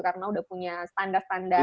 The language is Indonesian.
karena udah punya standar standar